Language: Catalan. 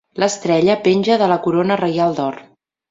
L'estrella penja de la corona reial d'or.